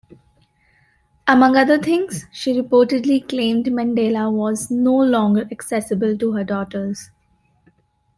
Among other things, she reportedly claimed Mandela was no longer "accessible" to her daughters.